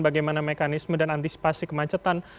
bagaimana mekanisme dan antisipasi kemacetan